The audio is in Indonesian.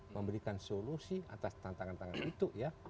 memberikan solusi atas tantangan tantangan itu ya